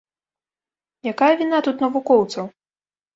Якая віна тут навукоўцаў?